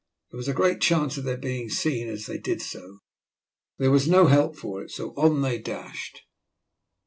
There was a great chance of their being seen as they did so. There was no help for it, so on they dashed.